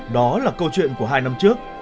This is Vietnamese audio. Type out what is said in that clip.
đó là câu chuyện của hai năm trước